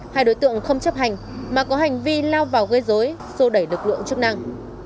hai đối tượng không chấp hành mà có hành vi lao vào gây dối sô đẩy lực lượng chức năng